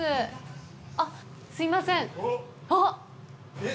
あっ、すみません。